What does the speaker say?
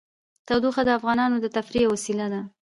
تودوخه د افغانانو د تفریح یوه وسیله ده.